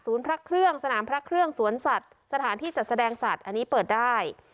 พระเครื่องสนามพระเครื่องสวนสัตว์สถานที่จัดแสดงสัตว์อันนี้เปิดได้